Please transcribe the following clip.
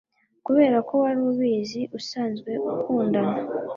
Kuberako wari ubizi usanzwe ukundana